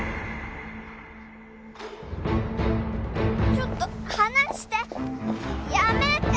ちょっと離してやめて！